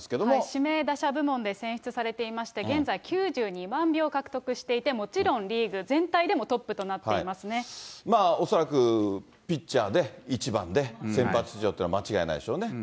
指名打者部門で選出されていまして、現在、９２万票獲得していて、もちろんリーグ全体でもトップとなっていまあ、恐らくピッチャーで１番で先発出場というのは間違いないでしょうね。